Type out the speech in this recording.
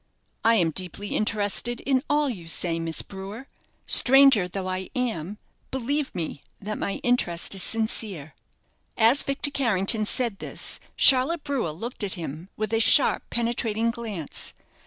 "I am deeply interested in all you say, Miss Brewer. Stranger though I am, believe me that my interest is sincere." As Victor Carrington said this, Charlotte Brewer looked at him with a sharp, penetrating glance.